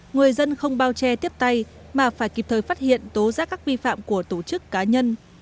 người dân không bao che tiếp tay mà phải kịp thời phát hiện tố giác các vi phạm của tổ chức cá nhân